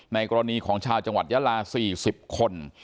กรณีของชาวจังหวัดยาลา๔๐คน